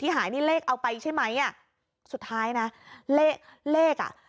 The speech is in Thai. หายนี่เลขเอาไปใช่ไหมอ่ะสุดท้ายนะเลขเลขอ่ะ